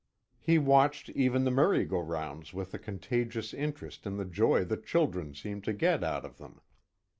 He watched even the merry go rounds with a contagious interest in the joy the children seemed to get out of them.